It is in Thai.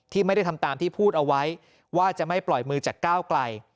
ไม่ได้ทำตามที่พูดเอาไว้ว่าจะไม่ปล่อยมือจากก้าวไกล